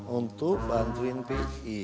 untuk bantuin pi